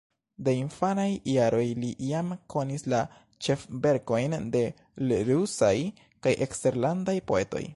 De infanaj jaroj li jam konis la ĉefverkojn de l' rusaj kaj eksterlandaj poetoj.